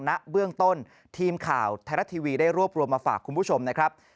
ณเบื้องต้นทีมข่าวไทยรัฐทีวีได้รวบรวมมาฝากคุณผู้ชมนะครับ